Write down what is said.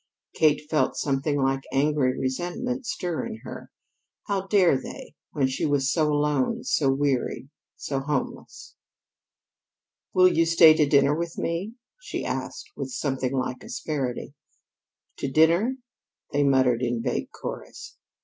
Kate felt something like angry resentment stir in her. How dared they, when she was so alone, so weary, so homeless? "Will you stay to dinner with me?" she asked with something like asperity. "To dinner?" they murmured in vague chorus.